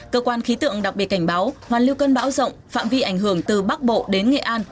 cơ quan khí tượng đặc biệt cảnh báo hoàn lưu cơn bão rộng phạm vi ảnh hưởng từ bắc bộ đến nghệ an